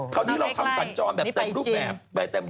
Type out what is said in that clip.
คราวนี้เราทำสัญจรแบบเต็มรูปแบบไปเต็ม